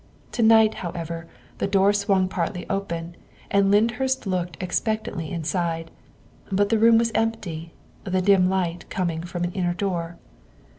To night, however, the door swung partly open and Lyndhurst looked expectantly inside, but the room was empty, the dim light coming from an inner door.